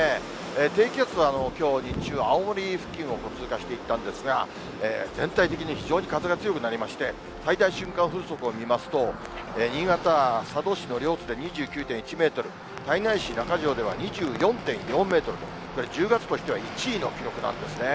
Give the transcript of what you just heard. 低気圧は、きょう日中、青森付近を通過していったんですが、全体的に非常に風が強くなりまして、最大瞬間風速を見ますと、新潟・佐渡市の両津で２９．１メートル、胎内市中条では２４．４メートルと、これ、１０月としては１位の記録なんですね。